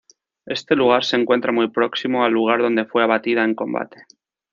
Este lugar se encuentra muy próximo al lugar donde fue abatida en combate.